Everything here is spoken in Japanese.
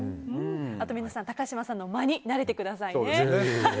皆さん、高嶋さんの間に慣れてくださいね。